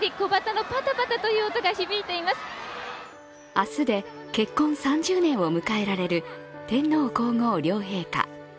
明日で結婚３０年を迎えられる天皇皇后両陛下。